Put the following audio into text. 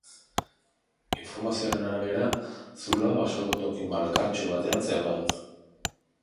Informazioaren arabera, zuloa basoko toki malkartsu batean zegoen.